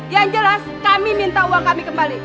yang jelas kami minta uang kami kembali